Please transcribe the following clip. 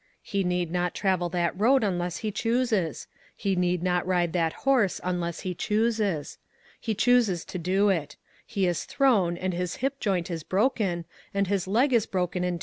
He need not travel that road unless he chooses ; he need not ride that horse unless he chooses. He chooses to do it ; he is thrown, and his hip joint is broken, and his leg is broken in LOGIC.